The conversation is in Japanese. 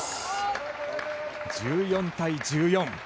１４対１４。